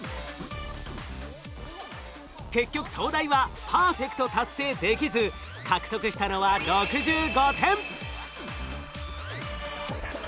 結局東大はパーフェクト達成できず獲得したのは６５点。